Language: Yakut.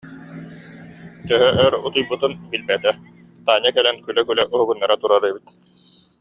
Төһө өр утуйбутун билбэтэ, Таня кэлэн күлэ-күлэ уһугуннара турар эбит